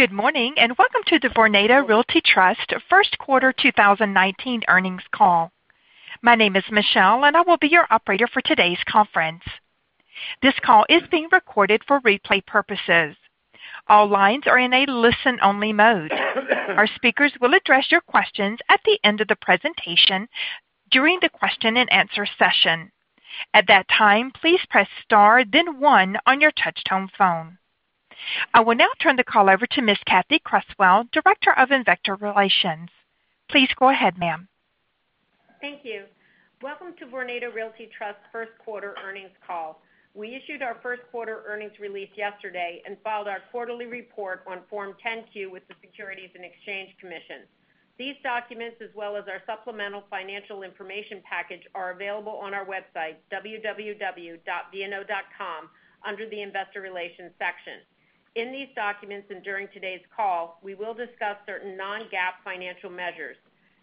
Good morning, welcome to the Vornado Realty Trust First Quarter 2019 Earnings Call. My name is Michelle, and I will be your operator for today's conference. This call is being recorded for replay purposes. All lines are in a listen-only mode. Our speakers will address your questions at the end of the presentation during the question and answer session. At that time, please press star then one on your touch-tone phone. I will now turn the call over to Ms. Cathy Creswell, Director of Investor Relations. Please go ahead, ma'am. Thank you. Welcome to Vornado Realty Trust first quarter earnings call. We issued our first quarter earnings release yesterday and filed our quarterly report on Form 10-Q with the Securities and Exchange Commission. These documents, as well as our supplemental financial information package, are available on our website, www.vno.com, under the Investor Relations section. In these documents and during today's call, we will discuss certain non-GAAP financial measures.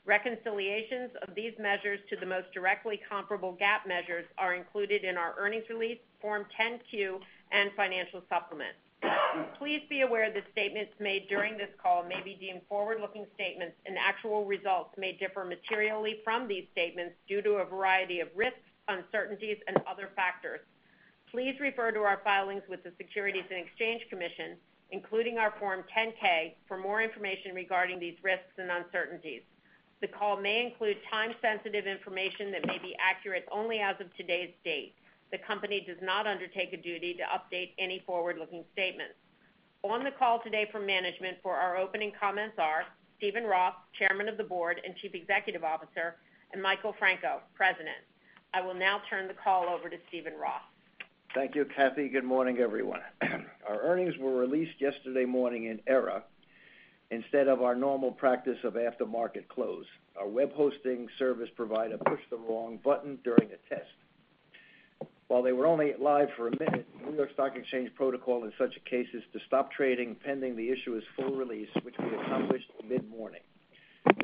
Reconciliations of these measures to the most directly comparable GAAP measures are included in our earnings release, Form 10-Q, and financial supplement. Please be aware that statements made during this call may be deemed forward-looking statements, and actual results may differ materially from these statements due to a variety of risks, uncertainties, and other factors. Please refer to our filings with the Securities and Exchange Commission, including our Form 10-K, for more information regarding these risks and uncertainties. The call may include time-sensitive information that may be accurate only as of today's date. The company does not undertake a duty to update any forward-looking statements. On the call today from management for our opening comments are Steven Roth, Chairman of the Board and Chief Executive Officer, and Michael Franco, President. I will now turn the call over to Steven Roth. Thank you, Cathy. Good morning, everyone. Our earnings were released yesterday morning in error instead of our normal practice of after-market close. Our web hosting service provider pushed the wrong button during a test. While they were only live for a minute, New York Stock Exchange protocol in such a case is to stop trading pending the issuer's full release, which we accomplished mid-morning.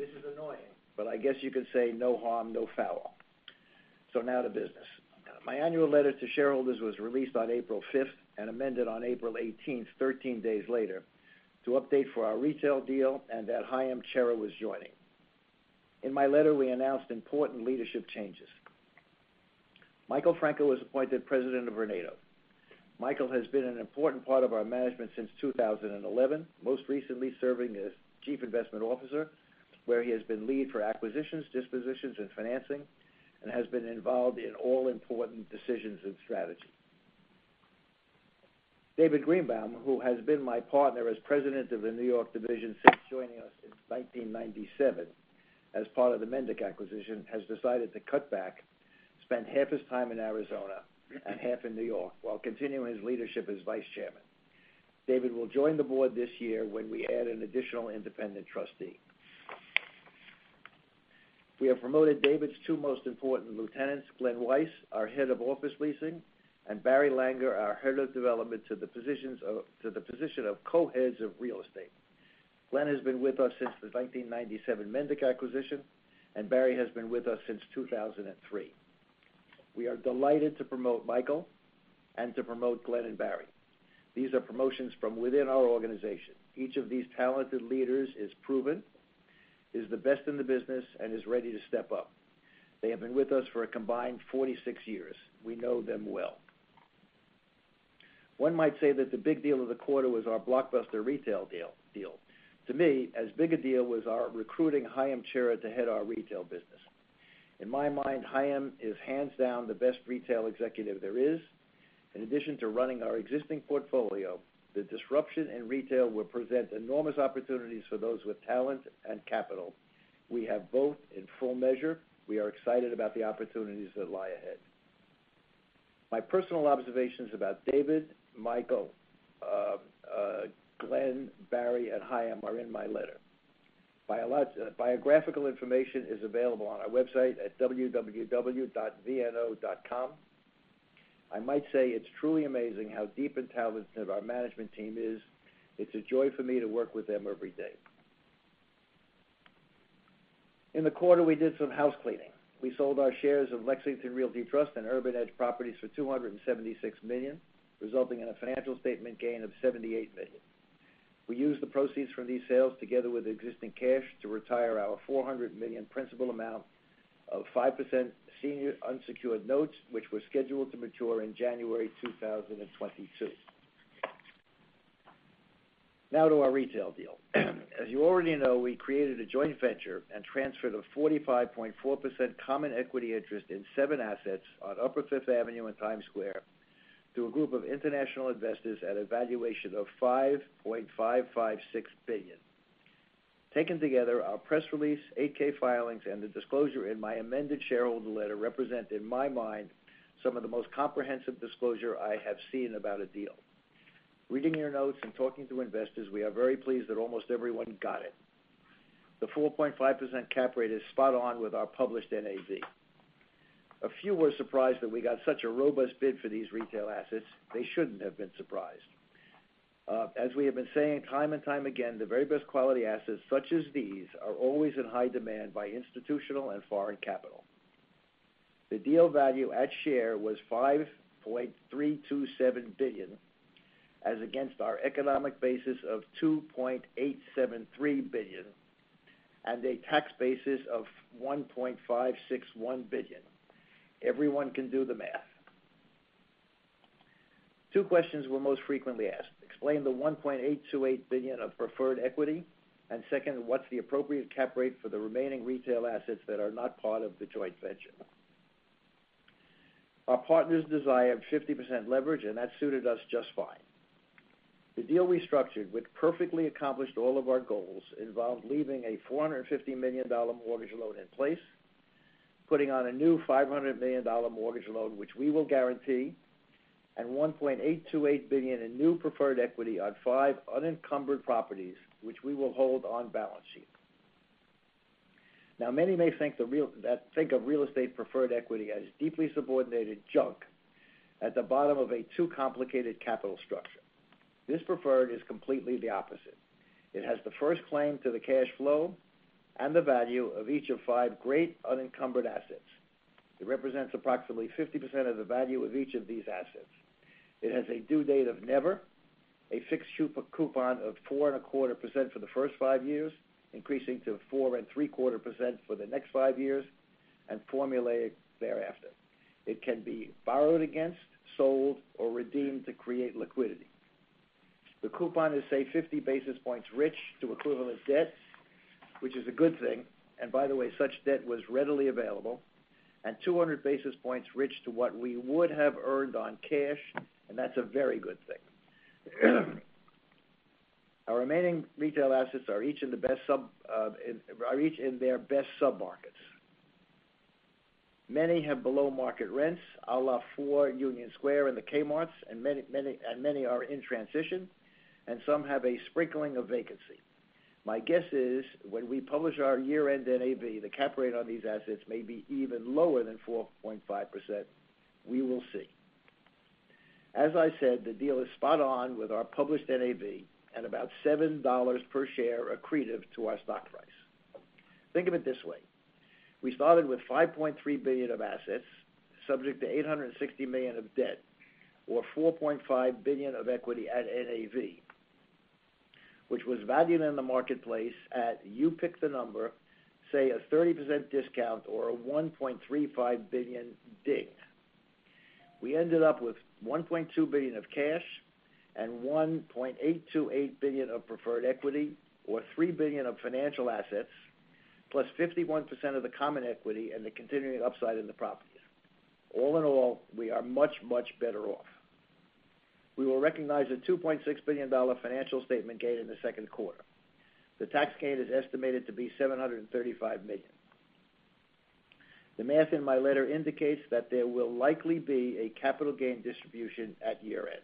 This is annoying, but I guess you could say no harm, no foul. Now to business. My annual letter to shareholders was released on April 5th and amended on April 18th, 13 days later, to update for our retail deal and that Haim Chera was joining. In my letter, we announced important leadership changes. Michael Franco was appointed President of Vornado. Michael has been an important part of our management since 2011, most recently serving as Chief Investment Officer, where he has been lead for acquisitions, dispositions, and financing and has been involved in all important decisions and strategy. David Greenbaum, who has been my partner as President of the New York Division since joining us in 1997 as part of the Mendik acquisition, has decided to cut back, spend half his time in Arizona and half in New York while continuing his leadership as Vice Chairman. David will join the board this year when we add an additional independent trustee. We have promoted David's two most important lieutenants, Glen Weiss, our Head of Office Leasing, and Barry Langer, our Head of Development, to the position of Co-Heads of Real Estate. Glen has been with us since the 1997 Mendik acquisition, and Barry has been with us since 2003. We are delighted to promote Michael and to promote Glen and Barry. These are promotions from within our organization. Each of these talented leaders is proven, is the best in the business, and is ready to step up. They have been with us for a combined 46 years. We know them well. One might say that the big deal of the quarter was our blockbuster retail deal. To me, as big a deal was our recruiting Haim Chera to head our retail business. In my mind, Haim is hands down the best retail executive there is. In addition to running our existing portfolio, the disruption in retail will present enormous opportunities for those with talent and capital. We have both in full measure. We are excited about the opportunities that lie ahead. My personal observations about David, Michael, Glen, Barry, and Haim are in my letter. Biographical information is available on our website at www.vno.com. I might say it's truly amazing how deep and talented our management team is. It's a joy for me to work with them every day. In the quarter, we did some housecleaning. We sold our shares of Lexington Realty Trust and Urban Edge Properties for $276 million, resulting in a financial statement gain of $78 million. We used the proceeds from these sales together with existing cash to retire our $400 million principal amount of 5% senior unsecured notes, which were scheduled to mature in January 2022. Now to our retail deal. As you already know, we created a joint venture and transferred a 45.4% common equity interest in seven assets on Upper Fifth Avenue and Times Square to a group of international investors at a valuation of $5.556 billion. Taken together, our press release, 8-K filings, and the disclosure in my amended shareholder letter represent, in my mind, some of the most comprehensive disclosure I have seen about a deal. Reading your notes and talking to investors, we are very pleased that almost everyone got it. The 4.5% cap rate is spot on with our published NAV. A few were surprised that we got such a robust bid for these retail assets. They shouldn't have been surprised. As we have been saying time and time again, the very best quality assets, such as these, are always in high demand by institutional and foreign capital. The deal value at share was $5.327 billion, as against our economic basis of $2.873 billion and a tax basis of $1.561 billion. Everyone can do the math. Two questions were most frequently asked. Explain the $1.828 billion of preferred equity, and second, what's the appropriate cap rate for the remaining retail assets that are not part of the joint venture? Our partners desired 50% leverage, and that suited us just fine. The deal we structured, which perfectly accomplished all of our goals, involved leaving a $450 million mortgage loan in place, putting on a new $500 million mortgage loan, which we will guarantee, and $1.828 billion in new preferred equity on five unencumbered properties, which we will hold on balance sheet. Now, many may think of real estate preferred equity as deeply subordinated junk at the bottom of a too complicated capital structure. This preferred is completely the opposite. It has the first claim to the cash flow and the value of each of five great unencumbered assets. It represents approximately 50% of the value of each of these assets. It has a due date of never, a fixed coupon of 4.25% for the first five years, increasing to 4.75% for the next five years, and formulaic thereafter. It can be borrowed against, sold, or redeemed to create liquidity. The coupon is, say, 50 basis points rich to equivalent debt, which is a good thing. And by the way, such debt was readily available, and 200 basis points rich to what we would have earned on cash, and that's a very good thing. Our remaining retail assets are each in their best sub-markets. Many have below-market rents, a la 4 Union Square and the Kmart, and many are in transition, and some have a sprinkling of vacancy. My guess is, when we publish our year-end NAV, the cap rate on these assets may be even lower than 4.5%. We will see. As I said, the deal is spot on with our published NAV and about $7 per share accretive to our stock price. Think of it this way. We started with $5.3 billion of assets, subject to $860 million of debt or $4.5 billion of equity at NAV, which was valued in the marketplace at, you pick the number, say, a 30% discount or a $1.35 billion dig. We ended up with $1.2 billion of cash and $1.828 billion of preferred equity or $3 billion of financial assets, plus 51% of the common equity and the continuing upside in the properties. All in all, we are much, much better off. We will recognize a $2.6 billion financial statement gain in the second quarter. The tax gain is estimated to be $735 million. The math in my letter indicates that there will likely be a capital gain distribution at year-end.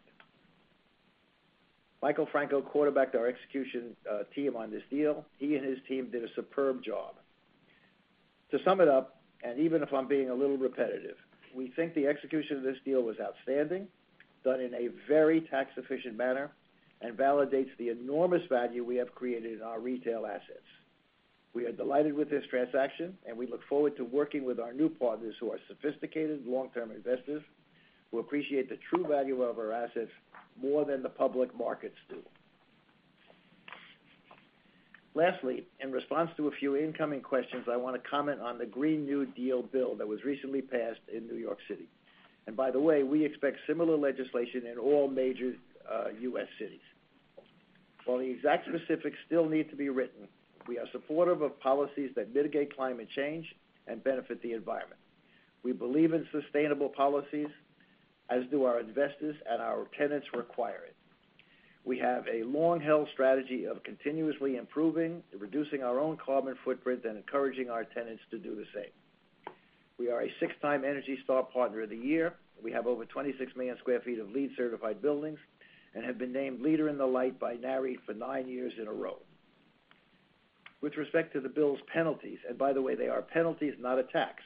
Michael Franco quarterbacked our execution team on this deal. He and his team did a superb job. To sum it up, and even if I'm being a little repetitive, we think the execution of this deal was outstanding, done in a very tax-efficient manner, and validates the enormous value we have created in our retail assets. We are delighted with this transaction, and we look forward to working with our new partners who are sophisticated long-term investors who appreciate the true value of our assets more than the public markets do. Lastly, in response to a few incoming questions, I want to comment on the Green New Deal bill that was recently passed in New York City. By the way, we expect similar legislation in all major U.S. cities. While the exact specifics still need to be written, we are supportive of policies that mitigate climate change and benefit the environment. We believe in sustainable policies, as do our investors, and our tenants require it. We have a long-held strategy of continuously improving, reducing our own carbon footprint, and encouraging our tenants to do the same. We are a six-time ENERGY STAR Partner of the Year. We have over 26 million square feet of LEED-certified buildings and have been named Leader in the Light by Nareit for nine years in a row. With respect to the bill's penalties, and by the way, they are penalties, not a tax,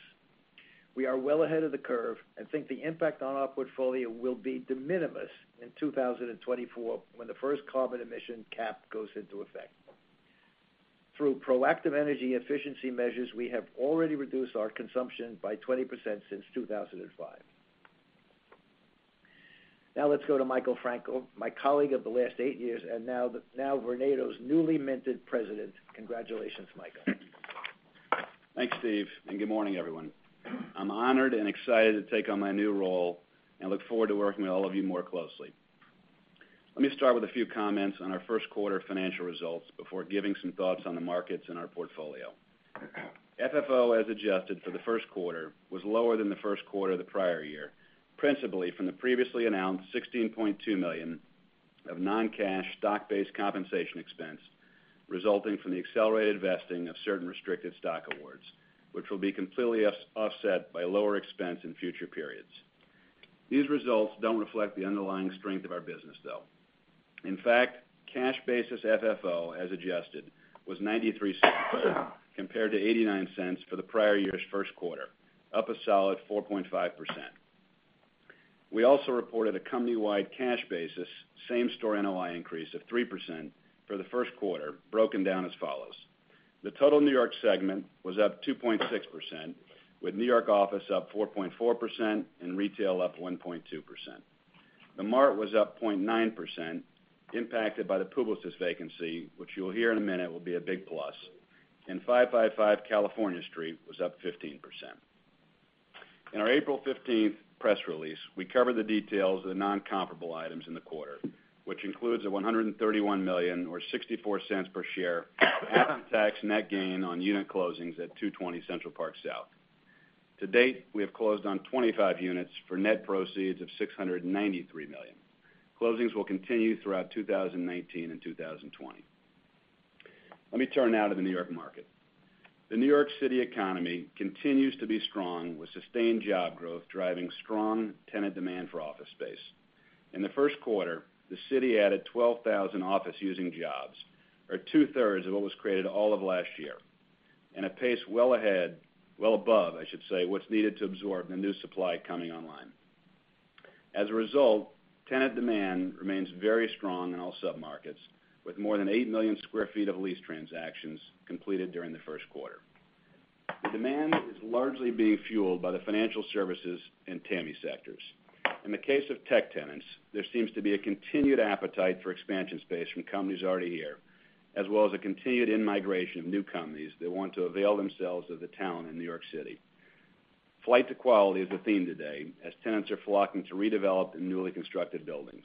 we are well ahead of the curve and think the impact on our portfolio will be de minimis in 2024 when the first carbon emission cap goes into effect. Through proactive energy efficiency measures, we have already reduced our consumption by 20% since 2005. Let's go to Michael Franco, my colleague of the last eight years, and now Vornado's newly minted President. Congratulations, Michael. Thanks, Steve, and good morning, everyone. I'm honored and excited to take on my new role and look forward to working with all of you more closely. Let me start with a few comments on our first quarter financial results before giving some thoughts on the markets and our portfolio. FFO, as adjusted for the first quarter, was lower than the first quarter of the prior year, principally from the previously announced $16.2 million of non-cash stock-based compensation expense resulting from the accelerated vesting of certain restricted stock awards, which will be completely offset by lower expense in future periods. These results don't reflect the underlying strength of our business, though. In fact, cash basis FFO, as adjusted, was $0.93 compared to $0.89 for the prior year's first quarter, up a solid 4.5%. We also reported a company-wide cash basis, same-store NOI increase of 3% for the first quarter, broken down as follows. The total New York segment was up 2.6%, with New York office up 4.4% and retail up 1.2%. The Mart was up 0.9%, impacted by the Publicis vacancy, which you'll hear in a minute will be a big plus, and 555 California Street was up 15%. In our April 15th press release, we covered the details of the non-comparable items in the quarter, which includes a $131 million or $0.64 per share asset tax net gain on unit closings at 220 Central Park South. To date, we have closed on 25 units for net proceeds of $693 million. Closings will continue throughout 2019 and 2020. Let me turn now to the New York market. The New York City economy continues to be strong, with sustained job growth driving strong tenant demand for office space. In the first quarter, the city added 12,000 office using jobs, or 2/3 of what was created all of last year, and a pace well above, I should say, what's needed to absorb the new supply coming online. As a result, tenant demand remains very strong in all sub-markets, with more than 8 million square feet of lease transactions completed during the first quarter. The demand is largely being fueled by the financial services and TAMI sectors. In the case of tech tenants, there seems to be a continued appetite for expansion space from companies already here, as well as a continued in-migration of new companies that want to avail themselves of the talent in New York City. Flight to quality is the theme today, as tenants are flocking to redevelop in newly constructed buildings.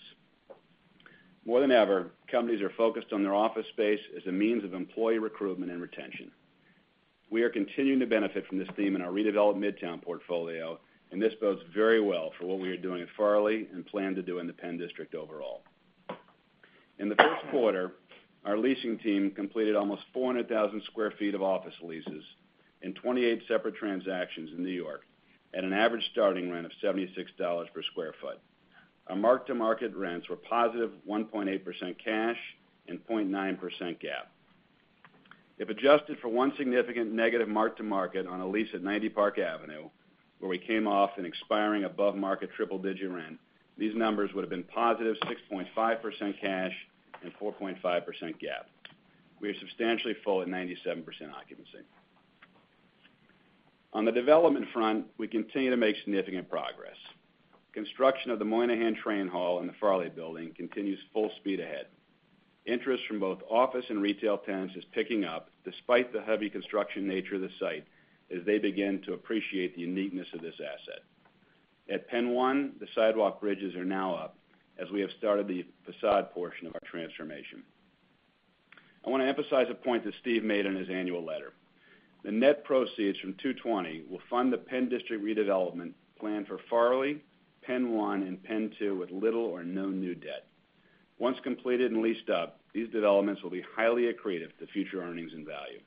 More than ever, companies are focused on their office space as a means of employee recruitment and retention. We are continuing to benefit from this theme in our redeveloped Midtown portfolio, this bodes very well for what we are doing at Farley and plan to do in the PENN District overall. In the first quarter, our leasing team completed almost 400,000 sq ft of office leases in 28 separate transactions in New York at an average starting rent of $76 per square foot. Our mark-to-market rents were positive 1.8% cash and 0.9% GAAP. If adjusted for one significant negative mark-to-market on a lease at 90 Park Avenue, where we came off an expiring above-market triple-digit rent, these numbers would have been positive 6.5% cash and 4.5% GAAP. We are substantially full at 97% occupancy. On the development front, we continue to make significant progress. Construction of the Moynihan Train Hall and the Farley Building continues full speed ahead. Interest from both office and retail tenants is picking up despite the heavy construction nature of the site, as they begin to appreciate the uniqueness of this asset. At PENN 1, the sidewalk bridges are now up as we have started the facade portion of our transformation. I want to emphasize a point that Steve made in his annual letter. The net proceeds from 220 will fund the PENN District redevelopment plan for Farley, PENN 1, and PENN 2 with little or no new debt. Once completed and leased up, these developments will be highly accretive to future earnings and value.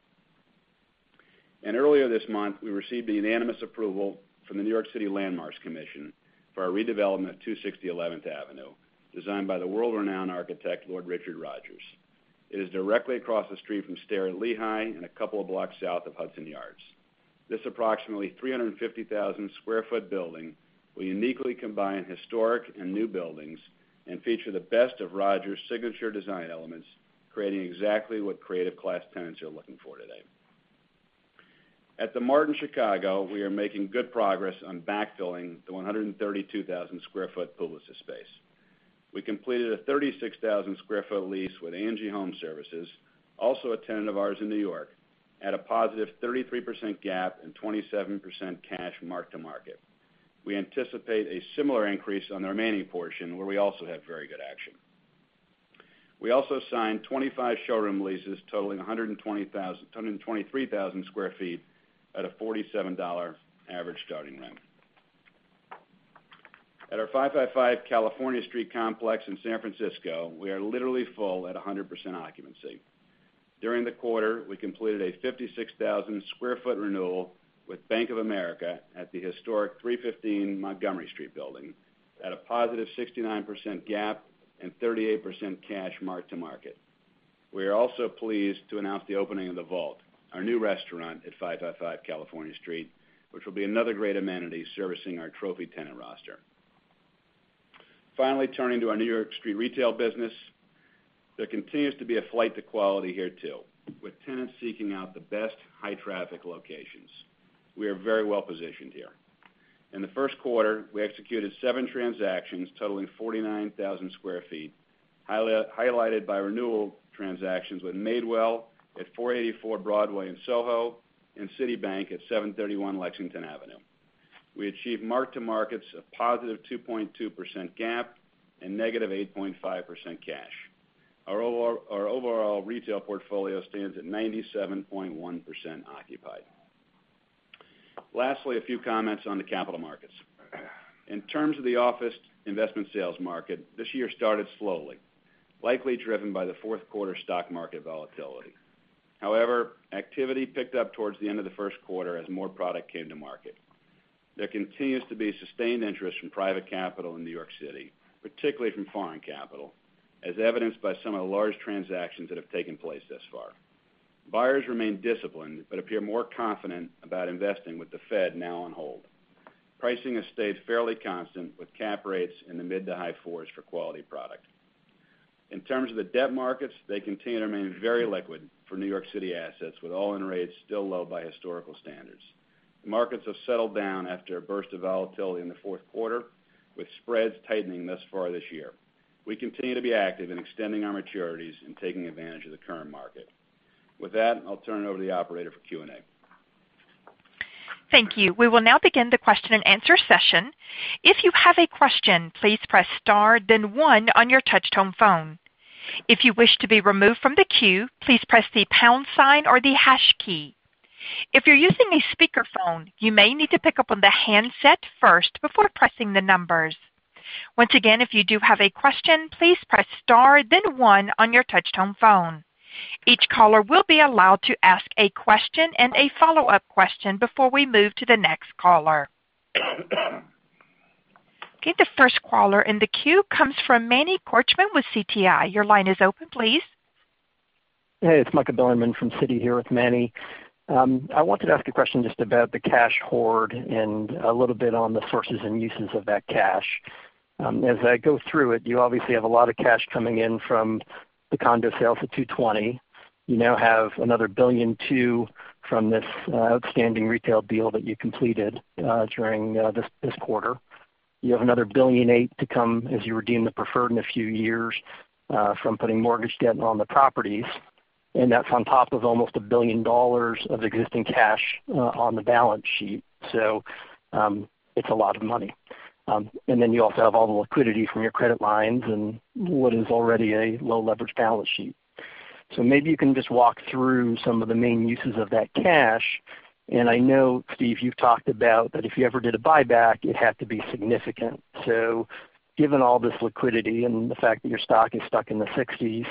Earlier this month, we received the unanimous approval from the New York City Landmarks Preservation Commission for our redevelopment at 260 11th Avenue, designed by the world-renowned architect, Lord Richard Rogers. It is directly across the street from Starrett Lehigh and a couple of blocks south of Hudson Yards. This approximately 350,000 sq ft building will uniquely combine historic and new buildings and feature the best of Rogers' signature design elements, creating exactly what creative class tenants are looking for today. At The Mart in Chicago, we are making good progress on backfilling the 132,000 sq ft Publicis space. We completed a 36,000 sq ft lease with ANGI Homeservices, also a tenant of ours in New York, at a positive 33% GAAP and 27% cash mark-to-market. We anticipate a similar increase on the remaining portion, where we also have very good action. We also signed 25 showroom leases totaling 123,000 sq ft at a $47 average starting rent. At our 555 California Street complex in San Francisco, we are literally full at 100% occupancy. During the quarter, we completed a 56,000 sq ft renewal with Bank of America at the historic 315 Montgomery Street building at a positive 69% GAAP and 38% cash mark-to-market. We are also pleased to announce the opening of The Vault, our new restaurant at 555 California Street, which will be another great amenity servicing our trophy tenant roster. Turning to our New York Street retail business. There continues to be a flight to quality here, too, with tenants seeking out the best high-traffic locations. We are very well positioned here. In the first quarter, we executed seven transactions totaling 49,000 sq ft, highlighted by renewal transactions with Madewell at 484 Broadway in Soho, and Citibank at 731 Lexington Avenue. We achieved mark-to-markets of positive 2.2% GAAP and negative 8.5% cash. Our overall retail portfolio stands at 97.1% occupied. A few comments on the capital markets. In terms of the office investment sales market, this year started slowly, likely driven by the fourth quarter stock market volatility. However, activity picked up towards the end of the first quarter as more product came to market. There continues to be sustained interest from private capital in New York City, particularly from foreign capital, as evidenced by some of the large transactions that have taken place thus far. Buyers remain disciplined, appear more confident about investing with the Fed now on hold. Pricing has stayed fairly constant with cap rates in the mid to high fours for quality product. In terms of the debt markets, they continue to remain very liquid for New York City assets, with all-in rates still low by historical standards. The markets have settled down after a burst of volatility in the fourth quarter, with spreads tightening thus far this year. We continue to be active in extending our maturities and taking advantage of the current market. With that, I'll turn it over to the operator for Q&A. Thank you. We will now begin the question and answer session. If you have a question, please press star then one on your touch-tone phone. If you wish to be removed from the queue, please press the pound sign or the hash key. If you're using a speakerphone, you may need to pick up on the handset first before pressing the numbers. Once again, if you do have a question, please press star then one on your touch-tone phone. Each caller will be allowed to ask a question and a follow-up question before we move to the next caller. The first caller in the queue comes from Manny Korchman with Citi. Your line is open, please. Hey, it's Michael Bilerman from Citi here with Manny. I wanted to ask a question just about the cash hoard and a little bit on the sources and uses of that cash. As I go through it, you obviously have a lot of cash coming in from the condo sales at 220. You now have another $1.2 billion from this outstanding retail deal that you completed during this quarter. You have another $1.8 billion to come as you redeem the preferred in a few years, from putting mortgage debt on the properties. That's on top of almost $1 billion of existing cash on the balance sheet. It's a lot of money. Then you also have all the liquidity from your credit lines and what is already a low-leverage balance sheet. Maybe you can just walk through some of the main uses of that cash. I know, Steve, you've talked about that if you ever did a buyback, it'd have to be significant. Given all this liquidity and the fact that your stock is stuck in the 60s,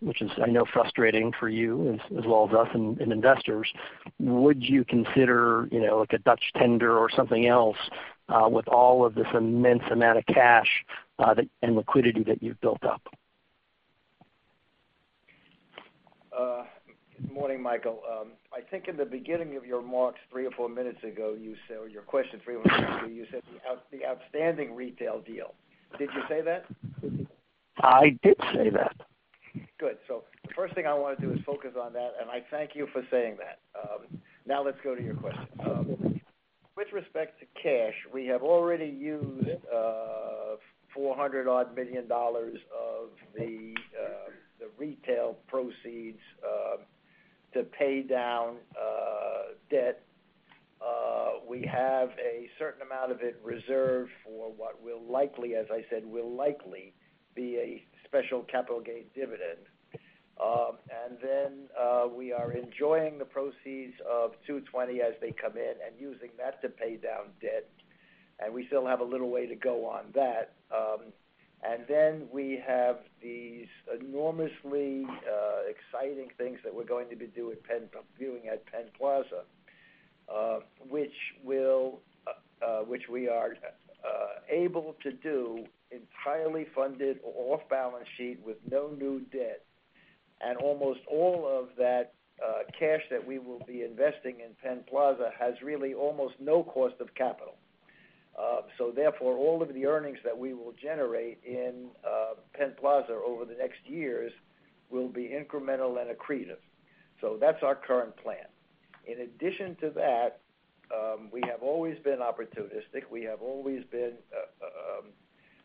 which is, I know, frustrating for you as well as us and investors, would you consider, like a Dutch tender or something else, with all of this immense amount of cash, and liquidity that you've built up? Good morning, Michael. I think in the beginning of your remarks three or four minutes ago, or your question three or four minutes ago, you said the outstanding retail deal. Did you say that? I did say that. Good. The first thing I want to do is focus on that, and I thank you for saying that. Let's go to your question. With respect to cash, we have already used $400 odd million of the retail proceeds to pay down debt. We have a certain amount of it reserved for what will likely, as I said, will likely be a special capital gain dividend. We are enjoying the proceeds of 220 as they come in and using that to pay down debt, and we still have a little way to go on that. We have these enormously exciting things that we're going to be viewing at PENN Plaza, which we are able to do entirely funded off balance sheet with no new debt. Almost all of that cash that we will be investing in PENN Plaza has really almost no cost of capital. All of the earnings that we will generate in PENN Plaza over the next years will be incremental and accretive. That's our current plan. In addition to that, we have always been opportunistic. We have always been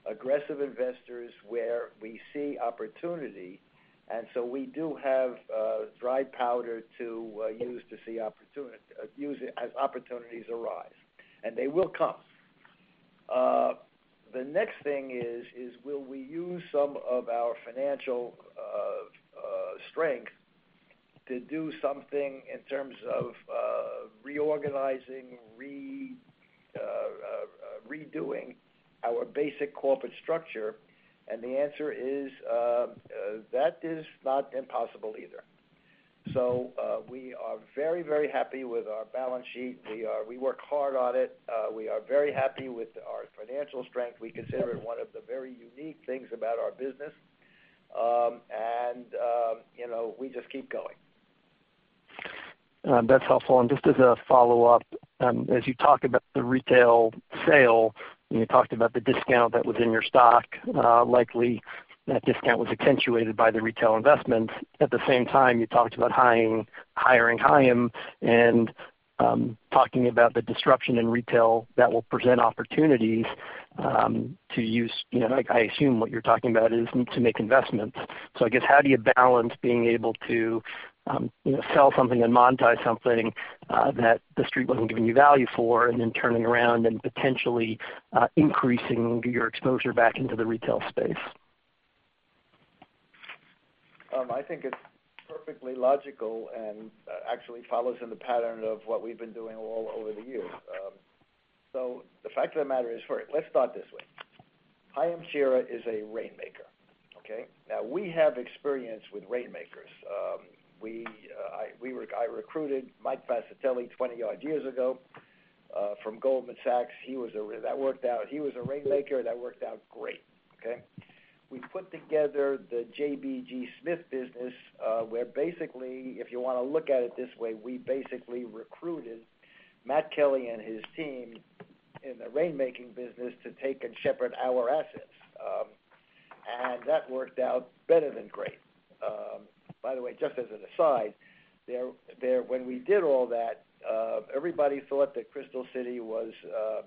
aggressive investors where we see opportunity. We do have dry powder to use as opportunities arise, and they will come. The next thing is, will we use some of our financial strength to do something in terms of reorganizing, redoing our basic corporate structure? The answer is, that is not impossible either. We are very happy with our balance sheet. We work hard on it. We are very happy with our financial strength. We consider it one of the very unique things about our business. We just keep going. That's helpful. Just as a follow-up, as you talk about the retail sale, and you talked about the discount that was in your stock, likely that discount was accentuated by the retail investments. At the same time, you talked about hiring Haim and talking about the disruption in retail that will present opportunities, to use I assume what you're talking about is to make investments. I guess, how do you balance being able to sell something and monetize something that the Street wasn't giving you value for, and then turning around and potentially increasing your exposure back into the retail space? I think it's perfectly logical and actually follows in the pattern of what we've been doing all over the years. The fact of the matter is, let's start this way. Haim Chera is a rainmaker. Now we have experience with rainmakers. I recruited Mike Fascitelli 20 odd years ago from Goldman Sachs. That worked out. He was a rainmaker, that worked out great. We put together the JBG SMITH business, where basically, if you want to look at it this way, we basically recruited Matt Kelly and his team in the rainmaking business to take and shepherd our assets. That worked out better than great. By the way, just as an aside, when we did all that, everybody thought that Crystal City was a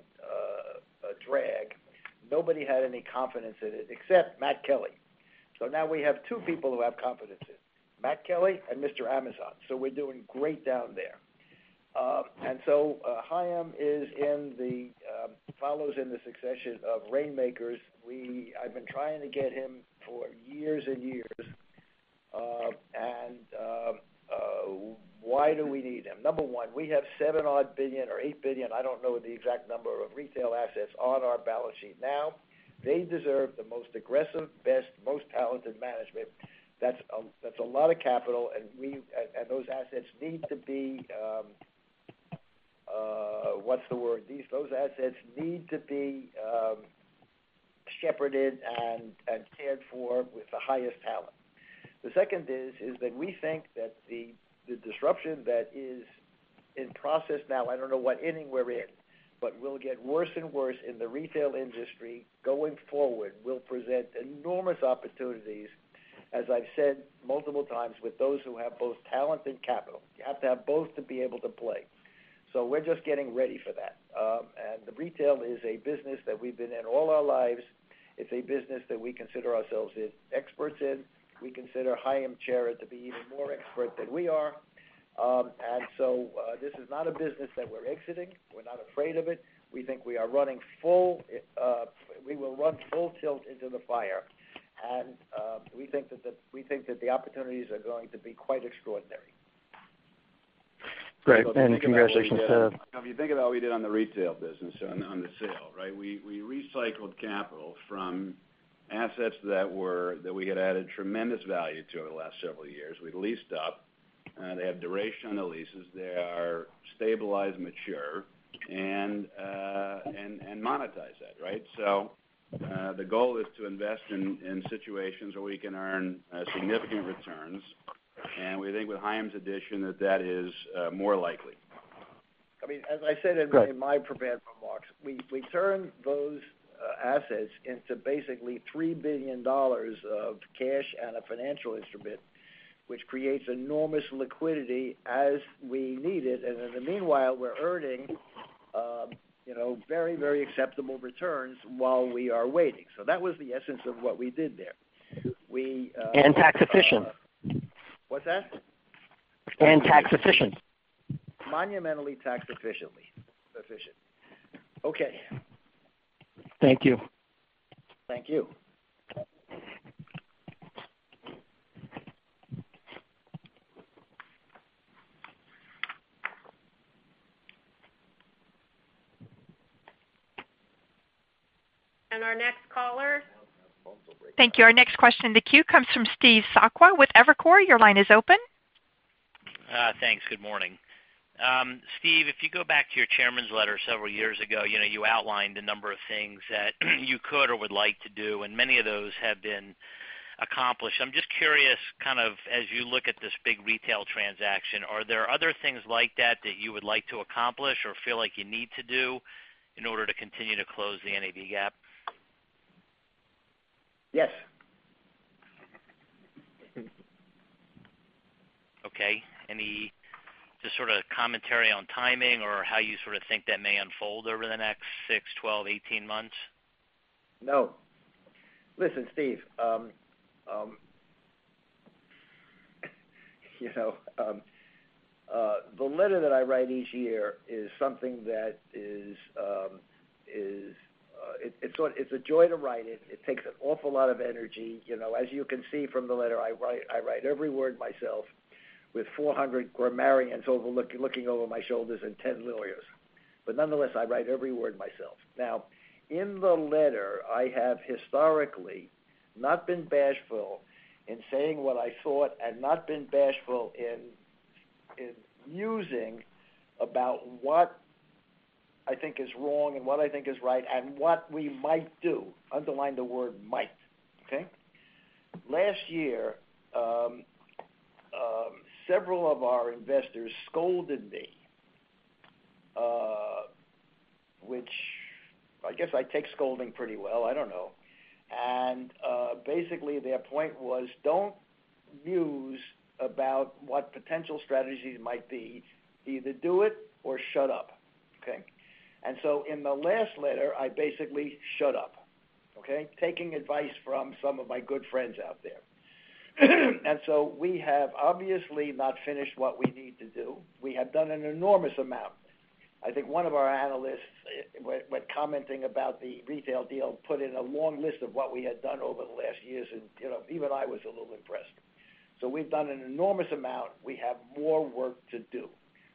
drag. Nobody had any confidence in it except Matt Kelly. Now we have two people who have confidence in it, Matt Kelly and Mr. Amazon. We're doing great down there. Haim follows in the succession of rainmakers. I've been trying to get him for years and years. Why do we need him? Number one, we have $7 odd billion or $8 billion, I don't know the exact number, of retail assets on our balance sheet now. They deserve the most aggressive, best, most talented management. That's a lot of capital, and those assets need to be, what's the word? Those assets need to be shepherded and cared for with the highest talent. The second is that we think that the disruption that is in process now, I don't know what inning we're in, but will get worse and worse in the retail industry going forward, will present enormous opportunities, as I've said multiple times, with those who have both talent and capital. You have to have both to be able to play. We're just getting ready for that. The retail is a business that we've been in all our lives. It's a business that we consider ourselves experts in. We consider Haim Chera to be even more expert than we are. This is not a business that we're exiting. We're not afraid of it. We think we will run full tilt into the fire. We think that the opportunities are going to be quite extraordinary. Great. Congratulations. If you think of all we did on the retail business, on the sale. We recycled capital from assets that we had added tremendous value to over the last several years. We leased up. They have duration on the leases. They are stabilized, mature, and monetize that. The goal is to invest in situations where we can earn significant returns. We think with Haim 's addition, that is more likely. As I said in my prepared remarks, we turn those assets into basically $3 billion of cash and a financial instrument, which creates enormous liquidity as we need it. In the meanwhile, we're earning very acceptable returns while we are waiting. That was the essence of what we did there. Tax efficient. What's that? Tax efficient. Monumentally tax efficient. Okay. Thank you. Thank you. Our next caller. Thank you. Our next question in the queue comes from Steve Sakwa with Evercore. Your line is open. Thanks. Good morning. Steve, if you go back to your chairman's letter several years ago, you outlined a number of things that you could or would like to do, and many of those have been accomplished. I'm just curious, as you look at this big retail transaction, are there other things like that you would like to accomplish or feel like you need to do in order to continue to close the NAV gap? Yes. Okay. Any just sort of commentary on timing or how you sort of think that may unfold over the next six, 12, 18 months? No. Listen, Steve. The letter that I write each year is something that is a joy to write. It takes an awful lot of energy. As you can see from the letter, I write every word myself with 400 grammarians looking over my shoulders and 10 lawyers. Nonetheless, I write every word myself. In the letter, I have historically not been bashful in saying what I thought and not been bashful in musing about what I think is wrong and what I think is right, and what we might do. Underline the word might. Last year, several of our investors scolded me, which I guess I take scolding pretty well, I don't know. Basically their point was, don't muse about what potential strategies might be. Either do it or shut up. In the last letter, I basically shut up. Taking advice from some of my good friends out there. We have obviously not finished what we need to do. We have done an enormous amount. I think one of our analysts, when commenting about the retail deal, put in a long list of what we had done over the last years, and even I was a little impressed. So we've done an enormous amount. We have more work to do.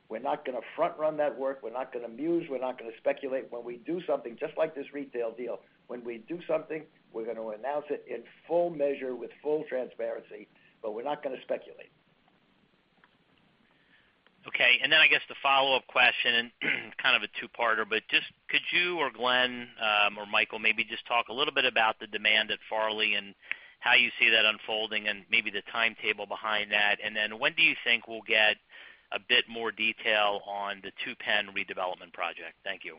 We're not going to front-run that work. We're not going to muse. We're not going to speculate. When we do something, just like this retail deal, when we do something, we're going to announce it in full measure with full transparency, but we're not going to speculate. Okay. I guess the follow-up question, kind of a two-parter, but just could you or Glen, or Michael, maybe just talk a little bit about the demand at Farley and how you see that unfolding and maybe the timetable behind that. When do you think we'll get a bit more detail on the two PENN redevelopment project? Thank you.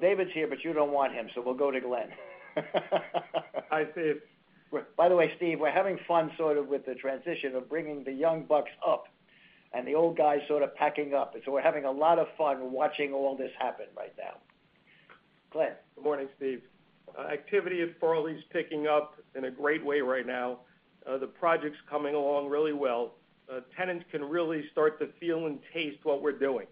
David's here, but you don't want him, we'll go to Glen. Hi, Steve. By the way, Steve, we're having fun sort of with the transition of bringing the young bucks up and the old guys sort of packing up. We're having a lot of fun watching all this happen right now. Glen. Good morning, Steve. Activity at Farley's picking up in a great way right now. The project's coming along really well. Tenants can really start to feel and taste what we're doing.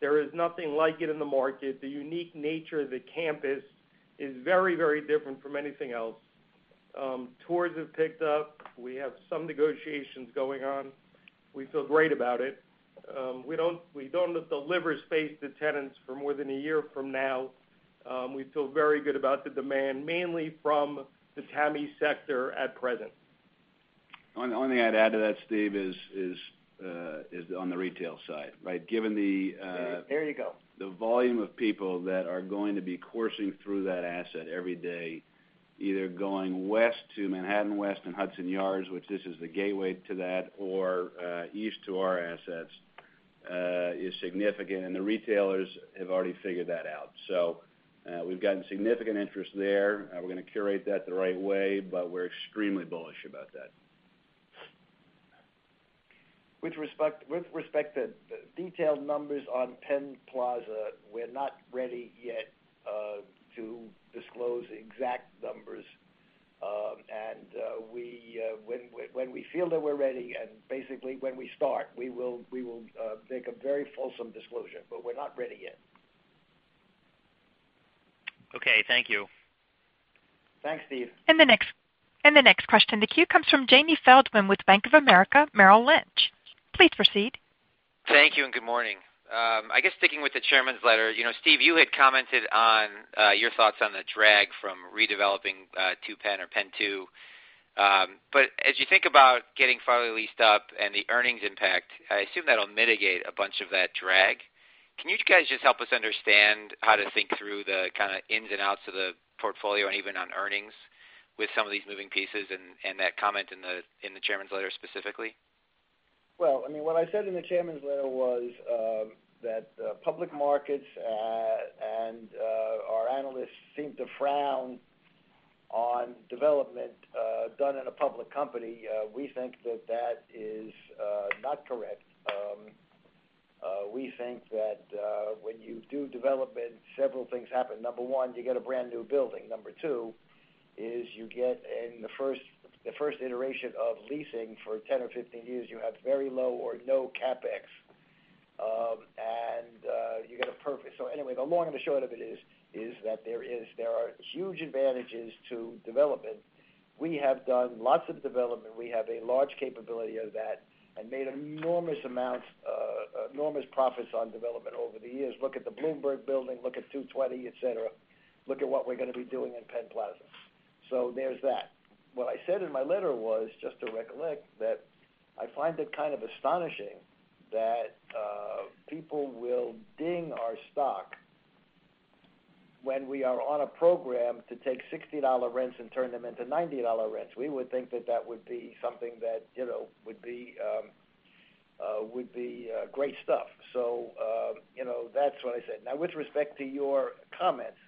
There is nothing like it in the market. The unique nature of the campus is very different from anything else. Tours have picked up. We have some negotiations going on. We feel great about it. We don't deliver space to tenants for more than a year from now. We feel very good about the demand, mainly from the TAMI sector at present. The only thing I'd add to that, Steve, is on the retail side, right? Given the-- There you go. --The volume of people that are going to be coursing through that asset every day, either going west to Manhattan West and Hudson Yards, which this is the gateway to that, or east to our assets, is significant, and the retailers have already figured that out. We've gotten significant interest there. We're going to curate that the right way, we're extremely bullish about that. With respect to the detailed numbers on PENN Plaza, we're not ready yet to disclose exact numbers. When we feel that we're ready and basically when we start, we will make a very fulsome disclosure, we're not ready yet. Okay, thank you. Thanks, Steve. The next question in the queue comes from Jamie Feldman with Bank of America Merrill Lynch. Please proceed. Thank you and good morning. I guess sticking with the chairman's letter, Steve, you had commented on your thoughts on the drag from redeveloping two PENN or PENN 2. As you think about getting Farley leased up and the earnings impact, I assume that'll mitigate a bunch of that drag. Can you guys just help us understand how to think through the kind of ins and outs of the portfolio and even on earnings with some of these moving pieces and that comment in the chairman's letter specifically? What I said in the Chairman's letter was that public markets and our analysts seem to frown on development done in a public company. We think that that is not correct. We think that when you do development, several things happen. Number one, you get a brand new building. Number two is you get in the first iteration of leasing for 10 or 15 years, you have very low or no CapEx. Anyway, the long and the short of it is that there are huge advantages to development. We have done lots of development. We have a large capability of that and made enormous profits on development over the years. Look at the Bloomberg building, look at 220, et cetera. Look at what we're going to be doing in PENN Plaza. There's that. What I said in my letter was, just to recollect, that I find it kind of astonishing that people will ding our stock when we are on a program to take $60 rents and turn them into $90 rents. We would think that that would be something that would be great stuff. That's what I said. Now, with respect to your comments,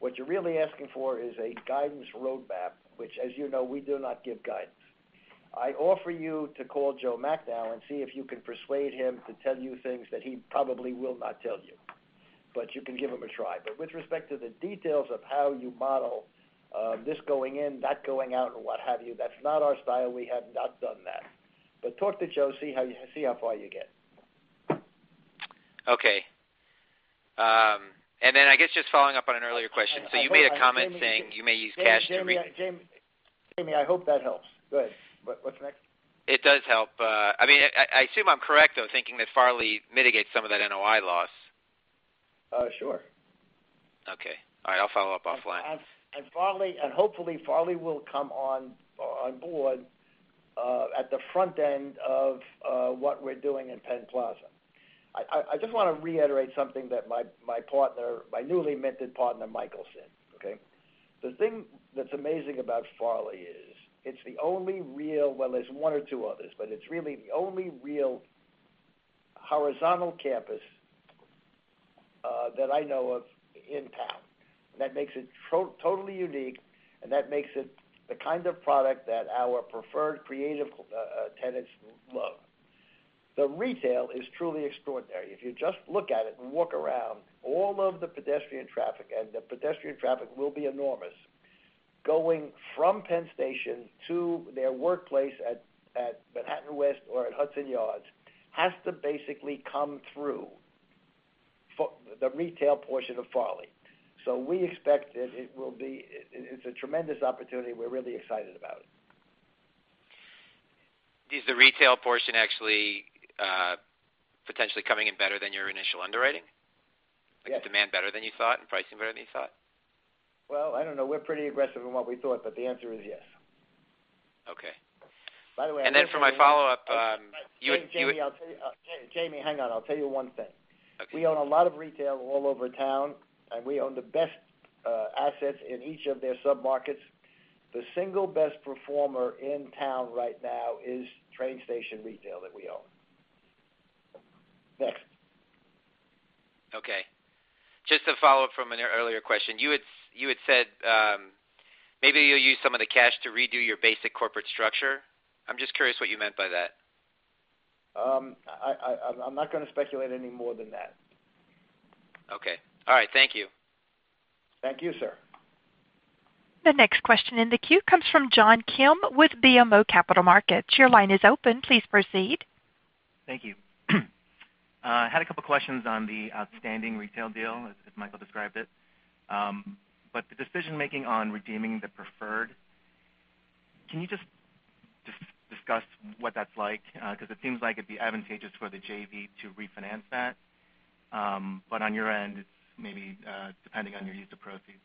what you're really asking for is a guidance roadmap, which as you know, we do not give guidance. I offer you to call Joe Macnow now and see if you can persuade him to tell you things that he probably will not tell you. You can give him a try. With respect to the details of how you model this going in, that going out, and what have you, that's not our style. We have not done that. Talk to Joe, see how far you get. Okay. Then I guess just following up on an earlier question. You made a comment saying you may use cash to... Jamie, I hope that helps. Go ahead. What's next? It does help. I assume I'm correct, though, thinking that Farley mitigates some of that NOI loss. Sure. Okay. All right, I'll follow up offline. Hopefully Farley will come on board, at the front end of what we're doing in PENN Plaza. I just want to reiterate something that my newly minted partner Michael said, okay? The thing that's amazing about Farley is it's the only real Well, there's one or two others, but it's really the only real horizontal campus that I know of in town. That makes it totally unique, and that makes it the kind of product that our preferred creative tenants love. The retail is truly extraordinary. If you just look at it and walk around, all of the pedestrian traffic, and the pedestrian traffic will be enormous. Going from PENN Station to their workplace at Manhattan West or at Hudson Yards has to basically come through the retail portion of Farley. We expect it's a tremendous opportunity we're really excited about. Is the retail portion actually potentially coming in better than your initial underwriting? Yes. Like the demand better than you thought and pricing better than you thought? Well, I don't know. We're pretty aggressive in what we thought, but the answer is yes. Okay. By the way... For my follow-up... Jamie, hang on. I'll tell you one thing. Okay. We own a lot of retail all over town, and we own the best assets in each of their sub-markets. The single best performer in town right now is Train Station Retail that we own. Next. Okay. Just to follow-up from an earlier question, you had said, maybe you'll use some of the cash to redo your basic corporate structure. I'm just curious what you meant by that. I'm not going to speculate any more than that. Okay. All right. Thank you. Thank you, sir. The next question in the queue comes from John Kim with BMO Capital Markets. Your line is open. Please proceed. Thank you. I had a couple questions on the outstanding retail deal, as Michael described it. The decision-making on redeeming the preferred, can you just discuss what that's like? Because it seems like it'd be advantageous for the JV to refinance that. On your end, it's maybe depending on your use of proceeds.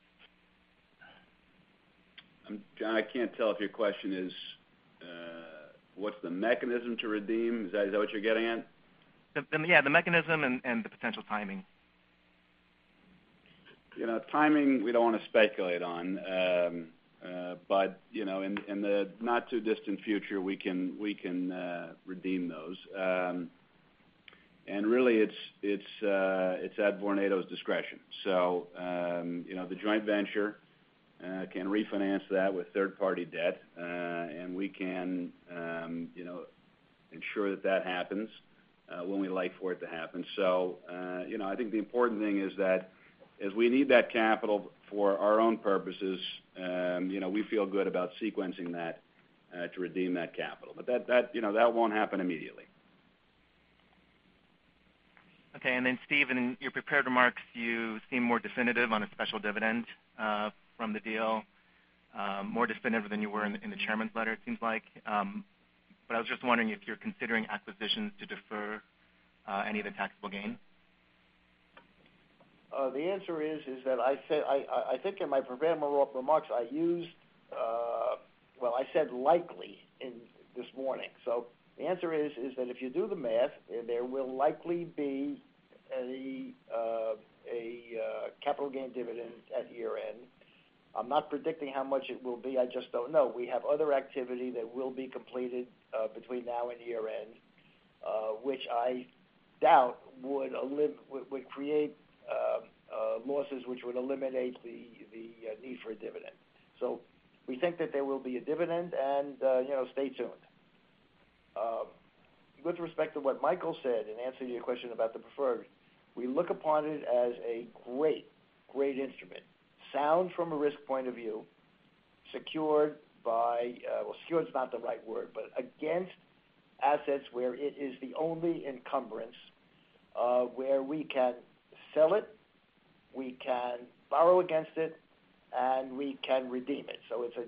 John, I can't tell if your question is, what's the mechanism to redeem? Is that what you're getting at? Yeah, the mechanism and the potential timing. Timing, we don't want to speculate on. In the not too distant future, we can redeem those. Really, it's at Vornado's discretion. The joint venture can refinance that with third-party debt, and we can ensure that that happens when we like for it to happen. I think the important thing is that as we need that capital for our own purposes, we feel good about sequencing that to redeem that capital. That won't happen immediately. Okay. Steve, in your prepared remarks, you seem more definitive on a special dividend from the deal, more definitive than you were in the Chairman's letter, it seems like. I was just wondering if you're considering acquisitions to defer any of the taxable gain. The answer is that I think in my prepared remarks, I said likely this morning. The answer is that if you do the math, there will likely be a capital gain dividend at year-end. I'm not predicting how much it will be, I just don't know. We have other activity that will be completed between now and year-end, which I doubt would create losses which would eliminate the need for a dividend. We think that there will be a dividend, and stay tuned. With respect to what Michael said, in answering your question about the preferred, we look upon it as a great instrument. Sound from a risk point of view, secured is not the right word, but against assets where it is the only encumbrance, where we can sell it, we can borrow against it, and we can redeem it.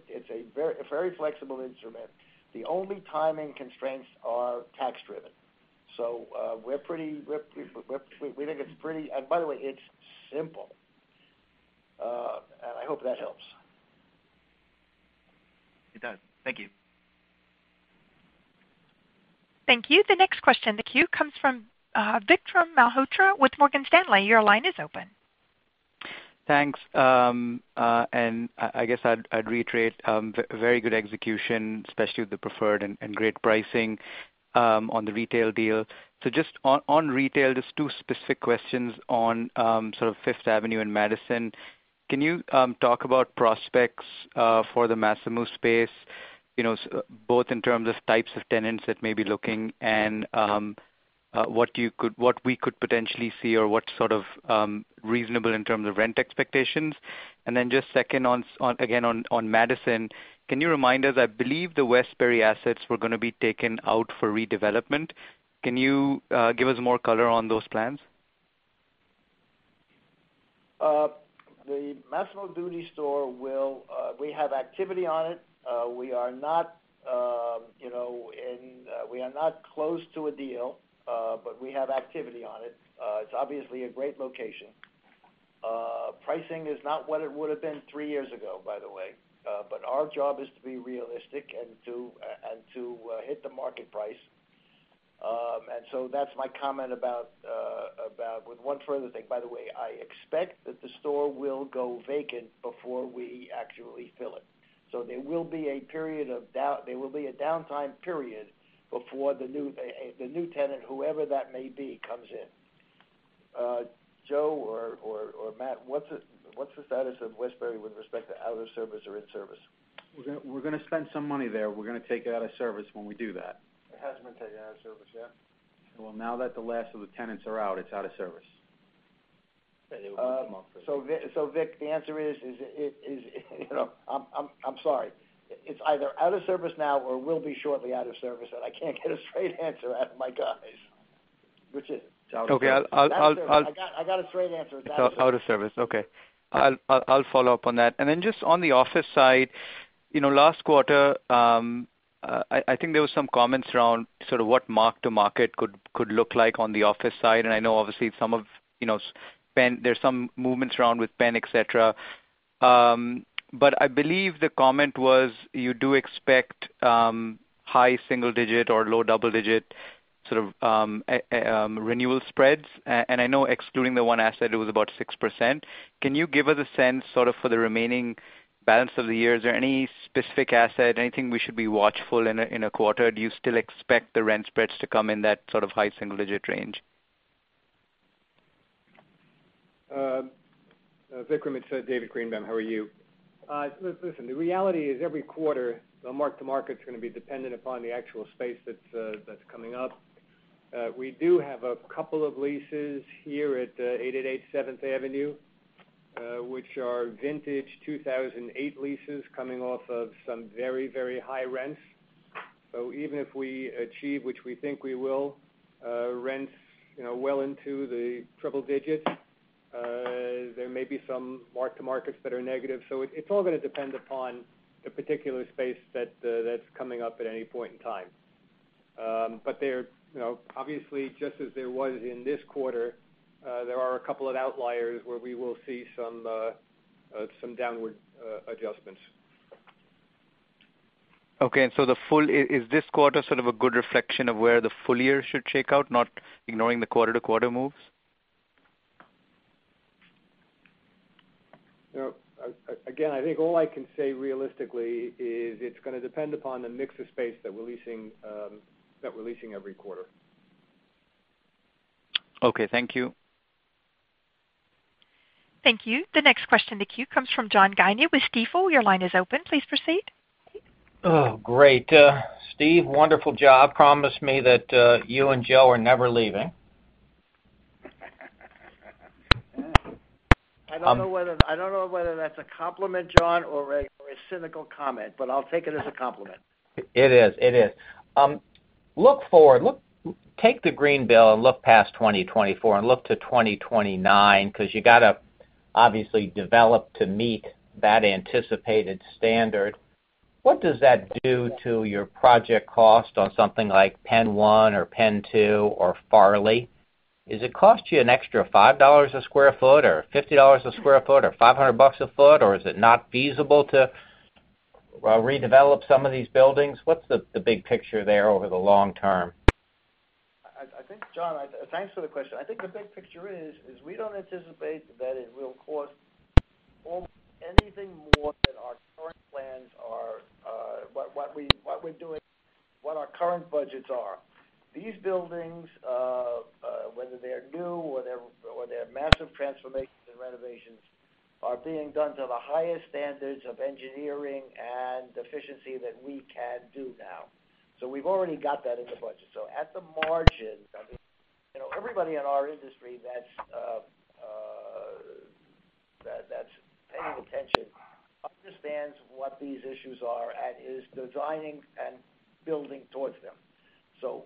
It's a very flexible instrument. The only timing constraints are tax-driven. We think it's pretty. By the way, it's simple. I hope that helps. It does. Thank you. Thank you. The next question in the queue comes from Vikram Malhotra with Morgan Stanley. Your line is open. Thanks. I guess I'd reiterate, very good execution, especially with the preferred and great pricing on the retail deal. Just on retail, just two specific questions on Fifth Avenue and Madison. Can you talk about prospects for the Massimo space, both in terms of types of tenants that may be looking and what we could potentially see or what's reasonable in terms of rent expectations? Just second, again, on Madison, can you remind us, I believe the Westbury assets were going to be taken out for redevelopment. Can you give us more color on those plans? The Massimo Dutti store. We have activity on it. We are not close to a deal. We have activity on it. It's obviously a great location. Pricing is not what it would've been three years ago, by the way. Our job is to be realistic and to hit the market price. That's my comment about, with one further thing. By the way, I expect that the store will go vacant before we actually fill it. There will be a downtime period before the new tenant, whoever that may be, comes in. Joe or Matt, what's the status of Westbury with respect to out of service or in service? We're going to spend some money there. We're going to take it out of service when we do that. It hasn't been taken out of service yet? Well, now that the last of the tenants are out, it's out of service. Vik, the answer is, I'm sorry. It's either out of service now or will be shortly out of service, and I can't get a straight answer out of my guys. Rich. Okay. I got a straight answer. It's out of service. Okay. I will follow up on that. Just on the office side, last quarter, I think there was some comments around sort of what mark-to-market could look like on the office side, and I know obviously there is some movements around with PENN, et cetera. I believe the comment was, you do expect high single-digit or low double-digit sort of renewal spreads. I know excluding the one asset, it was about 6%. Can you give us a sense sort of for the remaining balance of the year? Is there any specific asset, anything we should be watchful in a quarter? Do you still expect the rent spreads to come in that sort of high single-digit range? Vikram, it is David Greenbaum. How are you? Listen, the reality is every quarter, the mark-to-market's going to be dependent upon the actual space that is coming up. We do have a couple of leases here at 888 Seventh Avenue, which are vintage 2008 leases coming off of some very high rents. Even if we achieve, which we think we will, rents well into the triple digits, there may be some mark-to-markets that are negative. It is all going to depend upon the particular space that is coming up at any point in time. Obviously, just as there was in this quarter, there are a couple of outliers where we will see some downward adjustments. Okay, is this quarter sort of a good reflection of where the full year should shake out, not ignoring the quarter-to-quarter moves? Again, I think all I can say realistically is it's going to depend upon the mix of space that we're leasing every quarter. Okay. Thank you. Thank you. The next question in the queue comes from John Guinee with Stifel. Your line is open. Please proceed. Great. Steve, wonderful job. Promise me that you and Joe are never leaving. I don't know whether that's a compliment, John, or a cynical comment, but I'll take it as a compliment. It is. Look forward. Take the Green bill and look past 2024 and look to 2029, because you got to obviously develop to meet that anticipated standard. What does that do to your project cost on something like PENN 1 or Penn 2 or Farley? Does it cost you an extra $5 a square foot or $50 a square foot or $500 a square foot, or is it not feasible to redevelop some of these buildings? What's the big picture there over the long term? John, thanks for the question. I think the big picture is we don't anticipate that it will cost anything more than what our current budgets are. These buildings, whether they're new or they're massive transformations and renovations, are being done to the highest standards of engineering and efficiency that we can do now. We've already got that in the budget. At the margin, everybody in our industry that's paying attention understands what these issues are and is designing and building towards them.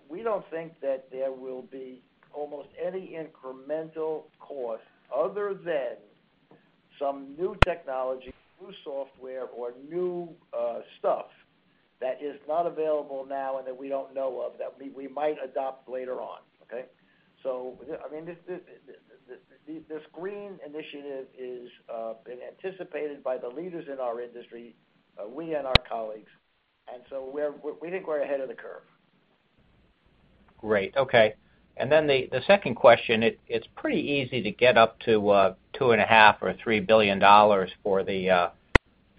We don't think that there will be almost any incremental cost other than some new technology, new software, or new stuff that is not available now and that we don't know of, that we might adopt later on. Okay? This Green initiative is being anticipated by the leaders in our industry, we and our colleagues, and so we think we're ahead of the curve. Great. Okay. Then the second question, it's pretty easy to get up to $2.5 billion or $3 billion for the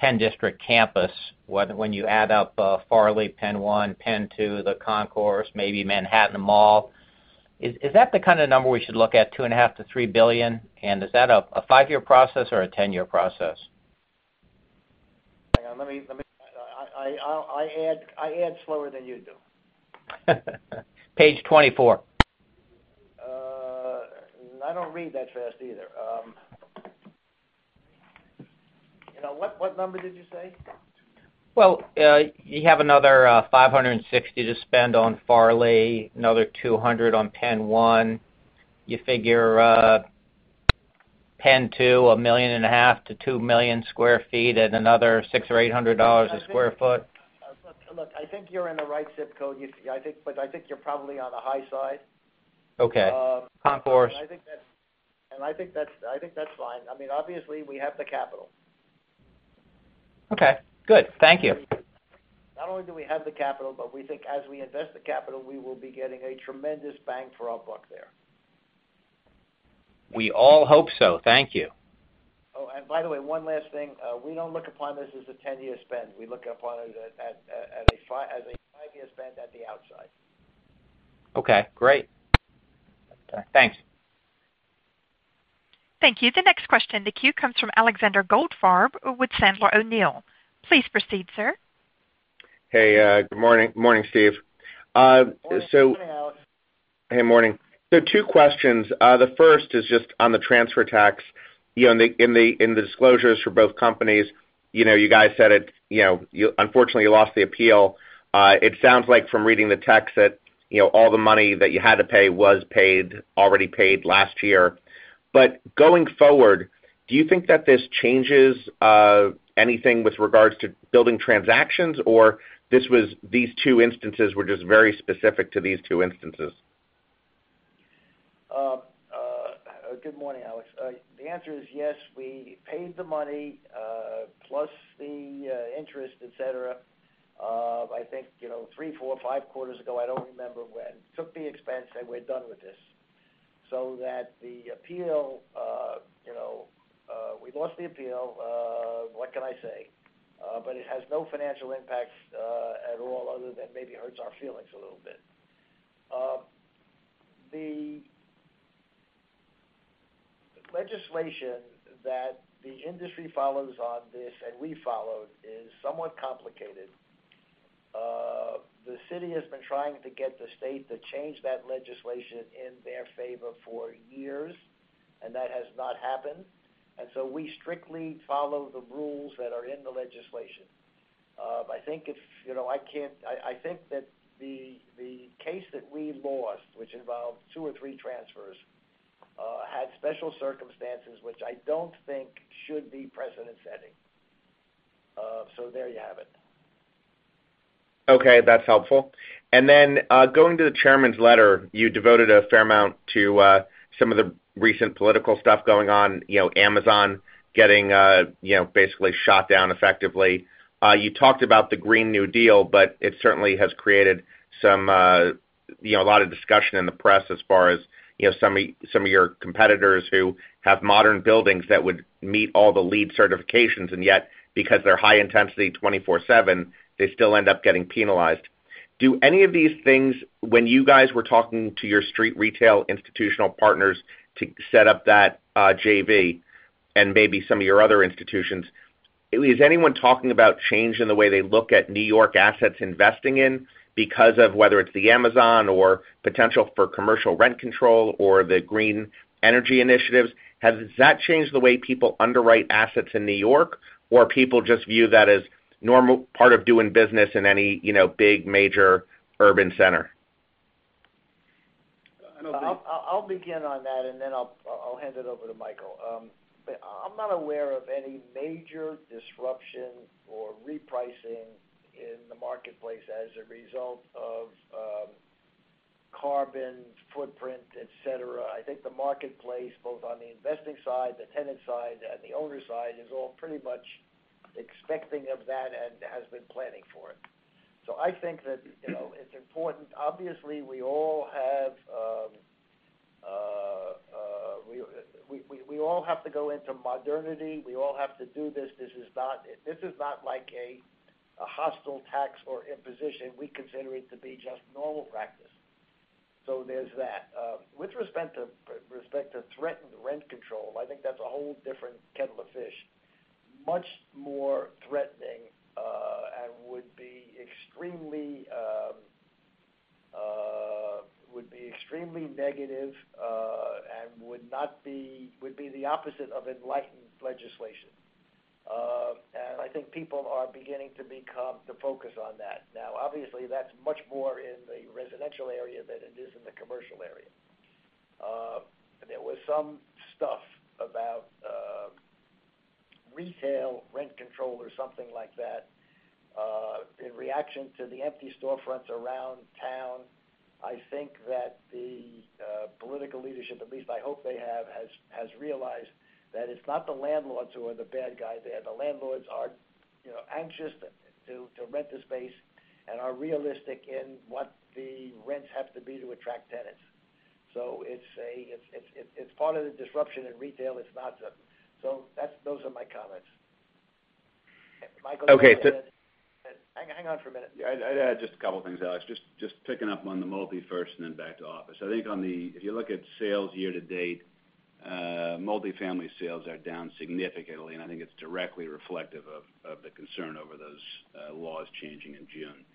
PENN District campus when you add up Farley, PENN 1, PENN 2, The Concourse, maybe Manhattan Mall. Is that the kind of number we should look at, $2.5 billion-$3 billion? Is that a five-year process or a 10-year process? Hang on. I add slower than you do. Page 24. I don't read that fast either. What number did you say? Well, you have another $560 to spend on Farley, another $200 on PENN 1. You figure PENN 2, 1.5 million to 2 million square feet at another $600 or $800 a square feet. Look, I think you're in the right zip code, but I think you're probably on the high side. Okay. Concourse. I think that's fine. Obviously, we have the capital. Okay, good. Thank you. Not only do we have the capital, but we think as we invest the capital, we will be getting a tremendous bang for our buck there. We all hope so. Thank you. By the way, one last thing. We don't look upon this as a 10-year spend. We look upon it as a five-year spend at the outside. Okay, great. Okay. Thanks. Thank you. The next question in the queue comes from Alexander Goldfarb with Sandler O'Neill. Please proceed, sir. Hey, good morning Steve. Morning, Alex. Hey, morning. Two questions. The first is just on the transfer tax. In the disclosures for both companies, you guys said unfortunately you lost the appeal. It sounds like from reading the text that all the money that you had to pay was already paid last year. Going forward, do you think that this changes anything with regards to building transactions, or these two instances were just very specific to these two instances? Good morning, Alex. The answer is yes. We paid the money, plus the interest, et cetera, I think three, four, five quarters ago, I don't remember when. Took the expense, and we're done with this. The appeal, we lost the appeal, what can I say? It has no financial impact at all other than maybe it hurts our feelings a little bit. The legislation that the industry follows on this, and we followed, is somewhat complicated. The city has been trying to get the state to change that legislation in their favor for years, and that has not happened. We strictly follow the rules that are in the legislation. I think that the case that we lost, which involved two or three transfers, had special circumstances, which I don't think should be precedent-setting. There you have it. Okay, that's helpful. Going to the chairman's letter, you devoted a fair amount to some of the recent political stuff going on, Amazon getting basically shot down effectively. You talked about the Green New Deal. It certainly has created a lot of discussion in the press as far as some of your competitors who have modern buildings that would meet all the LEED certifications, and yet, because they're high intensity 24/7, they still end up getting penalized. Do any of these things, when you guys were talking to your street retail institutional partners to set up that JV, and maybe some of your other institutions, is anyone talking about changing the way they look at New York assets investing in because of whether it's the Amazon or potential for commercial rent control or the green energy initiatives? Has that changed the way people underwrite assets in New York, or people just view that as normal part of doing business in any big major urban center? I don't think. I'll begin on that, then I'll hand it over to Michael. I'm not aware of any major disruption or repricing in the marketplace as a result of carbon footprint, et cetera. I think the marketplace, both on the investing side, the tenant side, and the owner side, is all pretty much expecting of that and has been planning for it. I think that it's important. Obviously, we all have to go into modernity. We all have to do this. This is not like a hostile tax or imposition. We consider it to be just normal practice. There's that. With respect to threatened rent control, I think that's a whole different kettle of fish. Much more threatening, and would be extremely negative, and would be the opposite of enlightened legislation. I think people are beginning to become to focus on that. Obviously, that's much more in the residential area than it is in the commercial area. There was some stuff about retail rent control or something like that, in reaction to the empty storefronts around town. I think that the political leadership, at least I hope they have, has realized that it's not the landlords who are the bad guy there. The landlords are anxious to rent the space and are realistic in what the rents have to be to attract tenants. It's part of the disruption in retail. Those are my comments. Michael. Okay... Hang on for a minute. I'd add just a couple of things, Alex. Just picking up on the multi first and then back to office. I think if you look at sales year-to-date, multifamily sales are down significantly, and I think it's directly reflective of the concern over those laws changing in June.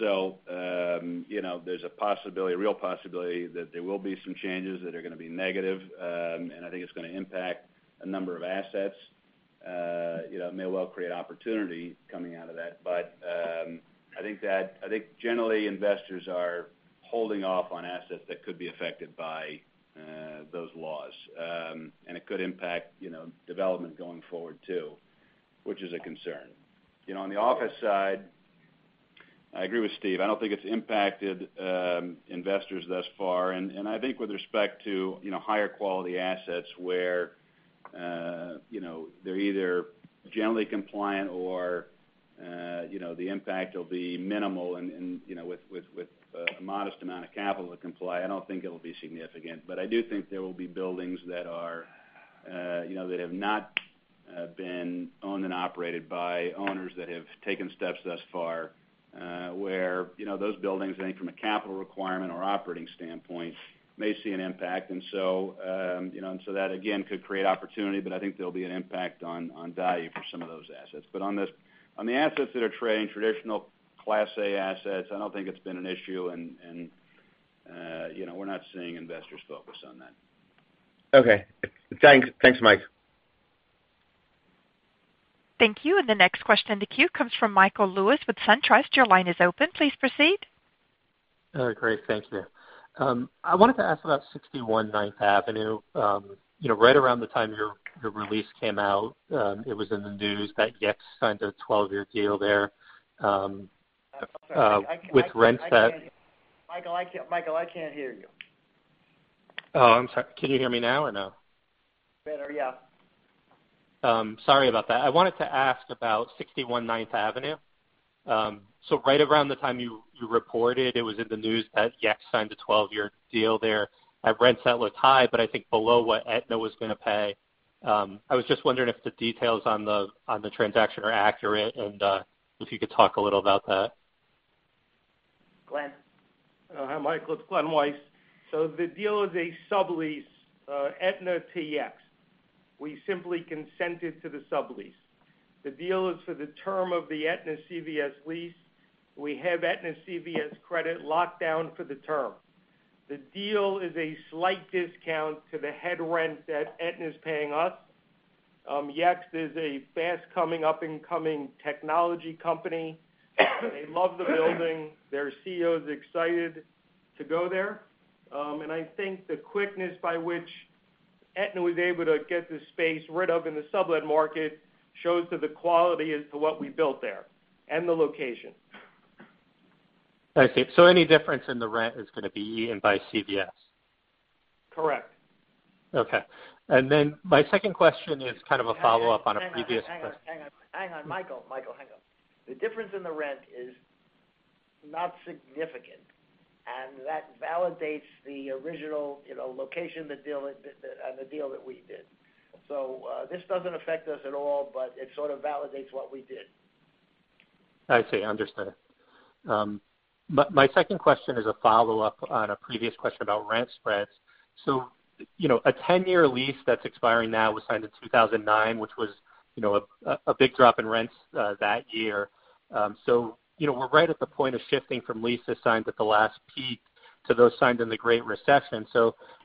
There's a real possibility that there will be some changes that are going to be negative, and I think it's going to impact a number of assets. It may well create opportunity coming out of that, but I think generally investors are holding off on assets that could be affected by those laws. It could impact development going forward too, which is a concern. On the office side, I agree with Steve. I don't think it's impacted investors thus far. I think with respect to higher quality assets where they're either generally compliant or the impact will be minimal and with a modest amount of capital to comply, I don't think it'll be significant. I do think there will be buildings that have not been owned and operated by owners that have taken steps thus far. Where those buildings, I think from a capital requirement or operating standpoint, may see an impact. That again, could create opportunity, but I think there'll be an impact on value for some of those assets. On the assets that are trading traditional Class A assets, I don't think it's been an issue and we're not seeing investors focus on that. Okay. Thanks, Mike. Thank you. The next question in the queue comes from Michael Lewis with SunTrust. Your line is open. Please proceed. Great. Thank you. I wanted to ask about 61 Ninth Avenue. Right around the time your release came out, it was in the news that Yext signed a 12-year deal there-- I'm sorry. --with rents that... Michael, I can't hear you. I'm sorry. Can you hear me now or no? Better, yeah. Sorry about that. I wanted to ask about 61 Ninth Avenue. Right around the time you reported, it was in the news that Yext signed a 12-year deal there. At rent, that looks high, but I think below what Aetna was going to pay. I was just wondering if the details on the transaction are accurate and if you could talk a little about that. Glen. Hi, Michael. It's Glen Weiss. The deal is a sublease, Aetna to Yext. We simply consented to the sublease. The deal is for the term of the Aetna CVS lease. We have Aetna CVS credit locked down for the term. The deal is a slight discount to the head rent that Aetna's paying us. Yext is a fast coming, up and coming technology company. They love the building. Their CEO's excited to go there. I think the quickness by which Aetna was able to get this space rid of in the sublet market shows to the quality as to what we built there, and the location. I see. Any difference in the rent is going to be eaten by CVS? Correct. Okay. My second question is kind of a follow-up on a previous... Hang on, Michael. The difference in the rent is not significant, and that validates the original location of the deal that we did. This doesn't affect us at all, but it sort of validates what we did. I see. Understood. My second question is a follow-up on a previous question about rent spreads. A 10-year lease that's expiring now was signed in 2009, which was a big drop in rents that year. We're right at the point of shifting from leases signed at the last peak to those signed in the Great Recession.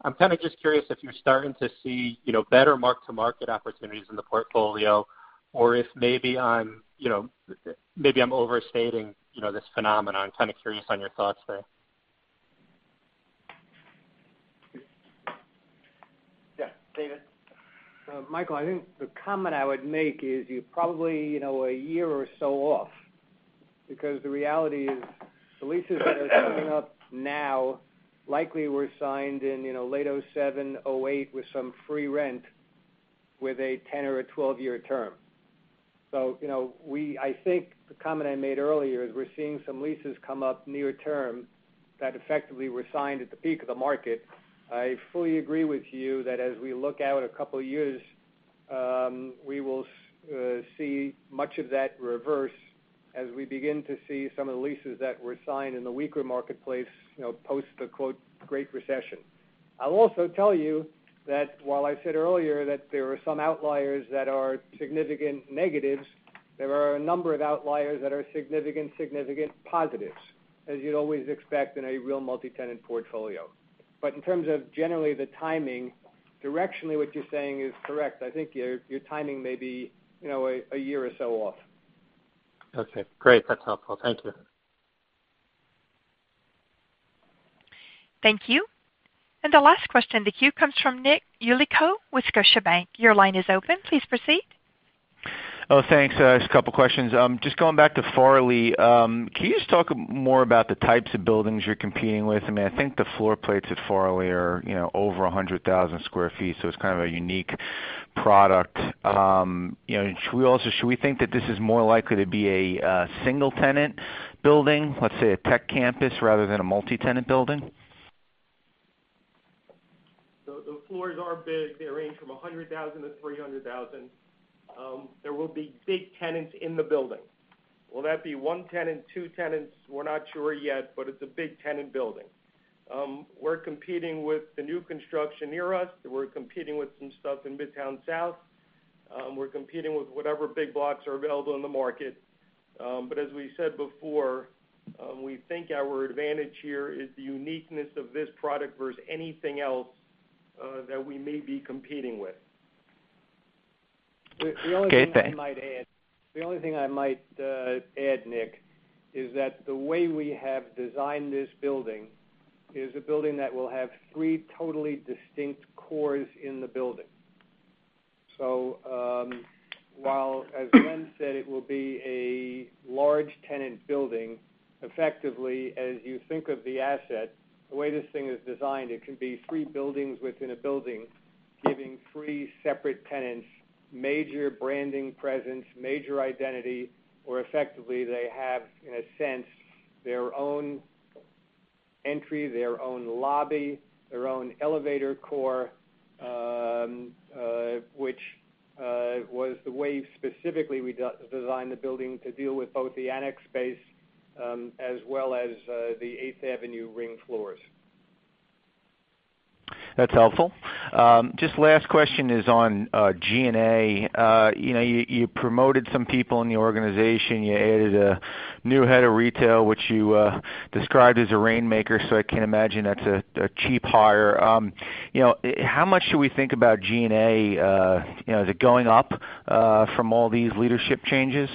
I'm kind of just curious if you're starting to see better mark-to-market opportunities in the portfolio, or if maybe I'm overstating this phenomenon. I'm kind of curious on your thoughts there. Yeah, David. Michael, I think the comment I would make is you're probably a year or so off, because the reality is the leases that are coming up now likely were signed in late 2007, 2008, with some free rent with a 10 or a 12-year term. I think the comment I made earlier is we're seeing some leases come up near term that effectively were signed at the peak of the market. I fully agree with you that as we look out a couple of years, we will see much of that reverse as we begin to see some of the leases that were signed in the weaker marketplace post the "Great Recession." I'll also tell you that while I said earlier that there are some outliers that are significant negatives, there are a number of outliers that are significant positives, as you'd always expect in a real multi-tenant portfolio. In terms of generally the timing, directionally what you're saying is correct. I think your timing may be a year or so off. Okay, great. That's helpful. Thank you. Thank you. The last question in the queue comes from Nick Yulico with Scotiabank. Your line is open. Please proceed. Thanks. Just a couple of questions. Just going back to Farley, can you just talk more about the types of buildings you're competing with? I think the floor plates at Farley are over 100,000 sq ft, so it's kind of a unique product. Should we think that this is more likely to be a single-tenant building, let's say a tech campus, rather than a multi-tenant building? The floors are big. They range from 100,000 to 300,000. There will be big tenants in the building. Will that be one tenant, two tenants? We're not sure yet, but it's a big tenant building. We're competing with the new construction near us. We're competing with some stuff in Midtown South. We're competing with whatever big blocks are available in the market. As we said before, we think our advantage here is the uniqueness of this product versus anything else that we may be competing with. Okay, thanks. The only thing I might add, Nick, is that the way we have designed this building is a building that will have three totally distinct cores in the building. While, as Glen said, it will be a large tenant building, effectively, as you think of the asset, the way this thing is designed, it can be three buildings within a building, giving three separate tenants major branding presence, major identity, where effectively they have, in a sense, their own entry, their own lobby, their own elevator core, which was the way specifically we designed the building to deal with both the annex space, as well as the Eighth Avenue ring floors. That's helpful. Just last question is on G&A. You promoted some people in the organization. You added a new head of retail, which you described as a rainmaker, I can't imagine that's a cheap hire. How much should we think about G&A? Is it going up from all these leadership changes?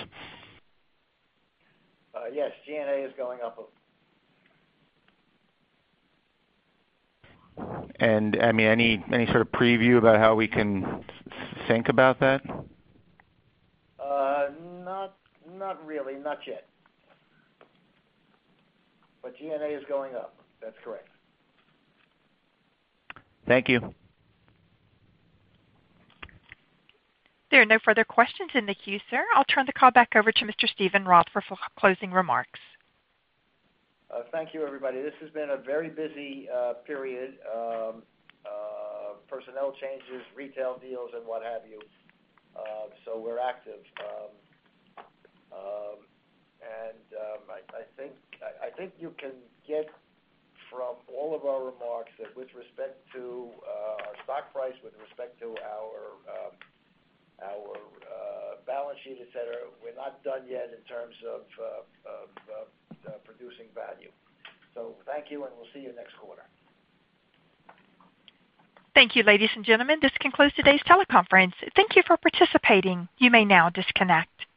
Yes. G&A is going up. Any sort of preview about how we can think about that? Not really. Not yet. G&A is going up. That's correct. Thank you. There are no further questions in the queue, sir. I'll turn the call back over to Mr. Steven Roth for closing remarks. Thank you, everybody. This has been a very busy period. Personnel changes, retail deals, and what have you. We're active. I think you can get from all of our remarks that with respect to our stock price, with respect to our balance sheet, et cetera, we're not done yet in terms of producing value. Thank you, and we'll see you next quarter. Thank you, ladies and gentlemen. This concludes today's teleconference. Thank you for participating. You may now disconnect.